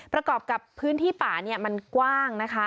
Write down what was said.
ประกอบกับพื้นที่ป่ามันกว้างนะคะ